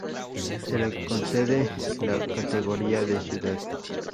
Se le concede la categoría de Ciudad.